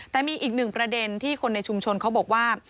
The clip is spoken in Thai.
แต่มีอีกหนึ่งประเด็นที่คนในชุมชนเขาบอกว่า